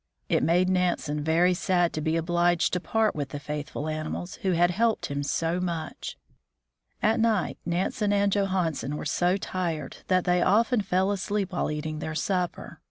It made Nansen very sad to be obliged to part with the faithful animals who had helped him so much. At night Nansen and Johansen were so tired that they often fell asleep while eating their supper.